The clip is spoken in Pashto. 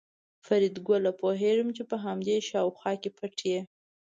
فریدګله پوهېږم چې په همدې شاوخوا کې پټ یې